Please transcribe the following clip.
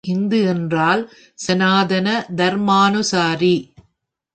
இந்து என்றால், சனாதன தர்மானுசாரி!